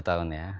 dua tahun ya